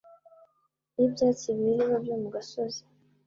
y’ibyatsi biribwa byo mu gasozi